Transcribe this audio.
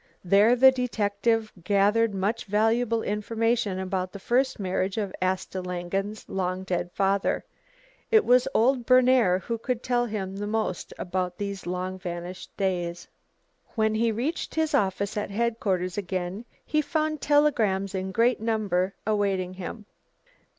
There the detective gathered much valuable information about the first marriage of Asta Langen's long dead father. It was old Berner who could tell him the most about these long vanished days. When he reached his office at headquarters again, he found telegrams in great number awaiting him.